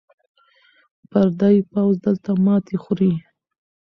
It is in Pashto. پردی پوځ دلته ماتې خوري.